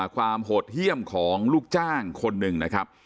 โหดเยี่ยมของลูกจ้างคนหนึ่งนะครับ